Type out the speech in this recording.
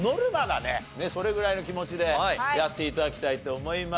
それぐらいの気持ちでやって頂きたいと思います。